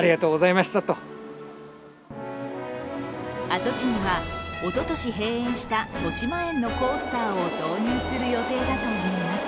跡地にはおととし閉園したとしまえんのコースターを導入する予定だといいます。